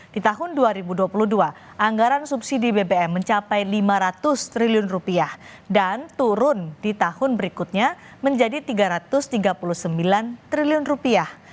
di tahun dua ribu dua puluh dua anggaran subsidi bbm mencapai lima ratus triliun rupiah dan turun di tahun berikutnya menjadi tiga ratus tiga puluh sembilan triliun rupiah